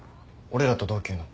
俺らと同級の。